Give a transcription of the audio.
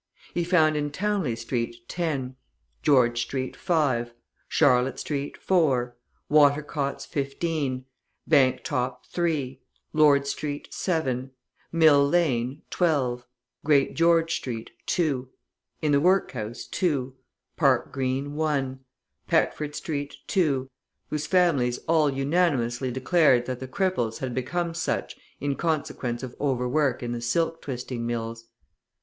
He found in Townley Street ten, George Street five, Charlotte Street four, Watercots fifteen, Bank Top three, Lord Street seven, Mill Lane twelve, Great George Street two, in the workhouse two, Park Green one, Peckford Street two, whose families all unanimously declared that the cripples had become such in consequence of overwork in the silk twisting mills.